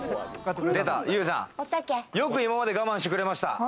ＹＯＵさん、よく今まで我慢してくれました。